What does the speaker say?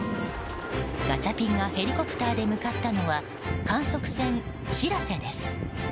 ガチャピンがヘリコプターで向かったのは観測船「しらせ」です。